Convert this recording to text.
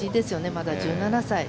まだ１７歳。